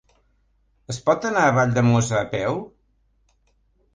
Es pot anar a Valldemossa a peu?